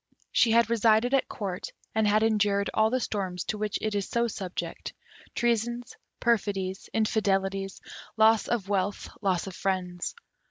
She had resided at Court, and had endured all the storms to which it is so subject: treasons, perfidies, infidelities, loss of wealth, loss of friends.